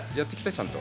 ちゃんと。